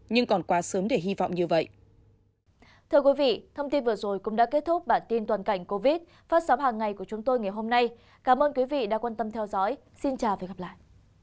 nhưng còn quá sớm để hy vọng như vậy